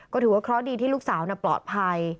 ก็ถือว่าเคราะห์ดีที่ลูกสาวปลอดภัย